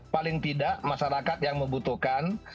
paling tidak masyarakat yang membutuhkan